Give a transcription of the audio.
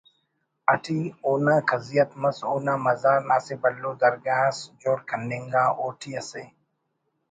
اٹی اونا کزیت مس اونا مزار نا اسہ بھلو درگہ اس جوڑ کننگا اوٹی اسہ